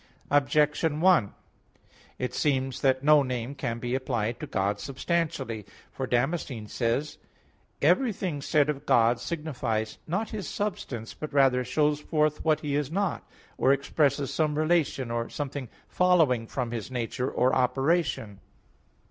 Objection 1: It seems that no name can be applied to God substantially. For Damascene says (De Fide Orth. i, 9): "Everything said of God signifies not His substance, but rather shows forth what He is not; or expresses some relation, or something following from His nature or operation."